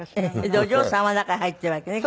でお嬢さんは中へ入っているわけね。